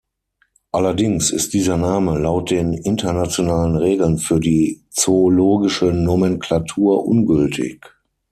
Allerdings ist dieser Name laut den Internationalen Regeln für die Zoologische Nomenklatur ungültig.